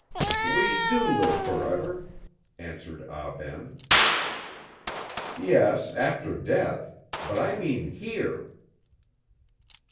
"We do live forever," answered Ah Ben. "Yes, after death; but I mean here!"